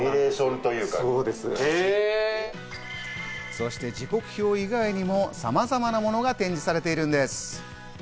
そして、時刻表以外にもさまざまなものが展示されているんです。